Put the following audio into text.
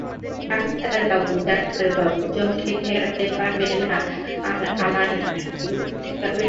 ডাক্তারবাবু– ডাক্তারবাবু যমকে ঠেকাতে পারবে না আর আমার ঠাকুরকে ঠেকাবে?